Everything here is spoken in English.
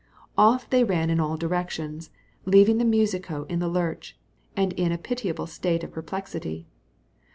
Off they ran in all directions, leaving the musico in the lurch, and in a pitiable state of perplexity.